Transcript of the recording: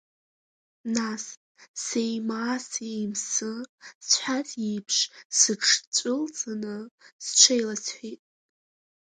Нас, сеимаа-сеимсы, зҳәаз еиԥш, сыҽҵәылцаны сҽеиласҳәеит.